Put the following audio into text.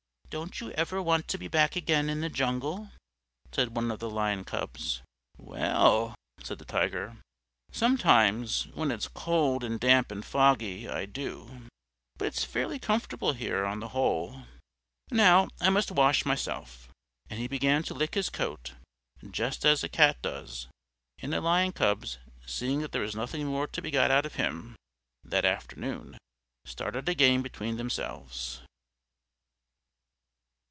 "Don't you ever want to be back again in the jungle?" said one of the Lion Cubs. "Well," said the Tiger, "sometimes, when it's cold and damp and foggy, I do. But it's fairly comfortable here, on the whole. Now, I must wash myself." And he began to lick his coat, just as a cat does, and the Lion Cubs, seeing that there was nothing more to be got out of him, that afternoon, started a game between themselves.